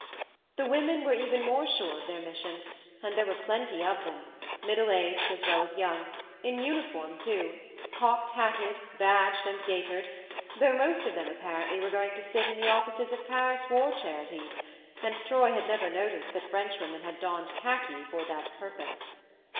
The women were even more sure of their mission ; and there were plenty of them, middle aged as well as young, in uniform too, cocked hatted, badged and gaitered though most of them, apparently, were going to sit in the offices of Paris war charities, and Troy had never noticed that Frenchwomen had donned khaki for that purpose.